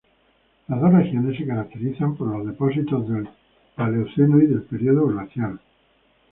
Las dos regiones se caracterizan por los depósitos del Paleoceno y del periodo glacial.